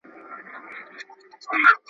مګر، پرته له هیڅ ډول مبالغې !.